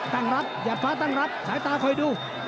ตั้งรับหยาบฟ้าตั้งรับสายตาคอยดู